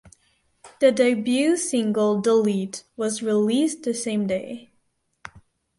The debut single "Delete" was released the same day.